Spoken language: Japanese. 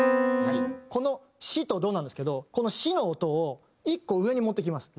この「シ」と「ド」なんですけどこの「シ」の音を１個上に持ってきます。